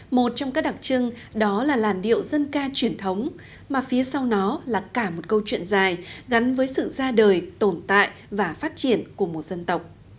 một trong các đặc trưng đó là làn điệu dân ca truyền thống mà phía sau nó là cả một câu chuyện dài gắn với sự ra đời tồn tại và phát triển của một dân tộc